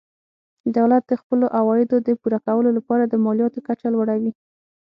دولت د خپلو عوایدو د پوره کولو لپاره د مالیاتو کچه لوړوي.